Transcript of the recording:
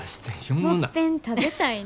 「もっぺん食べたいな」。